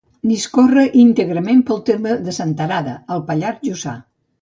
Discorre íntegrament pel terme de Senterada, al Pallars Jussà.